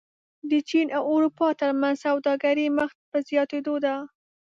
د چین او اروپا ترمنځ سوداګري مخ په زیاتېدو ده.